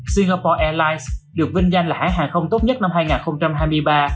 singapore airlines được vinh danh là hãng hàng không tốt nhất năm hai nghìn hai mươi ba